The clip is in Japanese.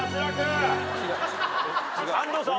安藤さん